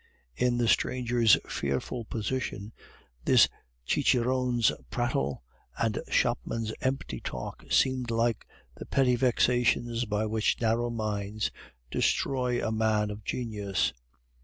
In the stranger's fearful position this cicerone's prattle and shopman's empty talk seemed like the petty vexations by which narrow minds destroy a man of genius.